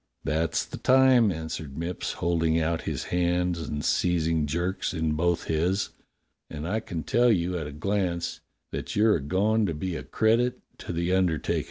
"That's the time," answered Mipps, holding out his hands and seizing Jerk's in both his. "And I can tell A YOUNG RECRUIT 171 at a glance that your a goin' to be a credit to the under takin'."